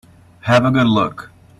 Have a good look.